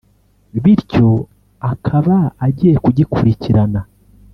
bityo akaba agiye kugikurikirana